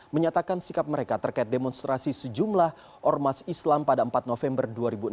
menyatakan sikap mereka terkait demonstrasi sejumlah ormas islam pada empat november dua ribu enam belas